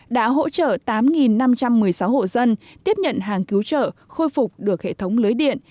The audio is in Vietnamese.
đã hỗ trợ tám năm trăm một mươi sáu hộ dân tiếp nhận hàng cứu trợ khôi phục được hệ thống lưới điện